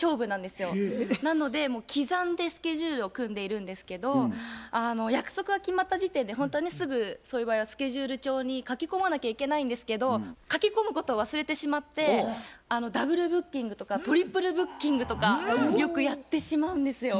なのでもう刻んでスケジュールを組んでいるんですけど約束が決まった時点でほんとはねすぐそういう場合はスケジュール帳に書き込まなきゃいけないんですけど書き込むことを忘れてしまってダブルブッキングとかトリプルブッキングとかよくやってしまうんですよ。